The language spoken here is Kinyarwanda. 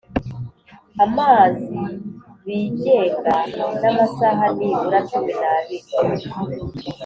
Amazi bigenga n amasaha nibura cumi n abiri